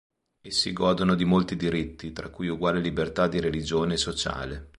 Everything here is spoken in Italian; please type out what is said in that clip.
Essi godono di molti diritti, tra cui uguale libertà di religione e sociale.